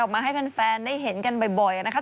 มาให้แฟนได้เห็นกันบ่อยนะคะ